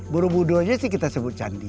borobudurnya sih kita sebut candi